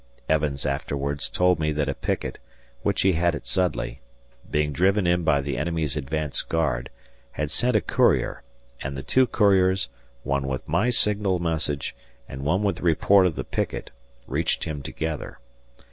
Evans afterwards told me that a picket, which he had at Sudley, being driven in by the enemy's advanced guard, had sent a courier, and the two couriers, one with my signal message and one with the report of the picket, reached him together.